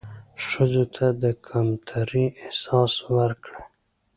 ښځو ته د کمترۍ احساس ورکړى